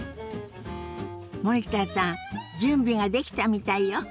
森田さん準備ができたみたいよ。